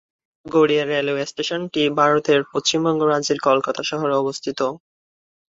Garia railway স্টেশনটি ভারতের পশ্চিমবঙ্গ রাজ্যের কলকাতা শহরে অবস্থিত।